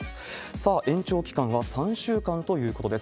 さあ、延長期間は３週間ということです。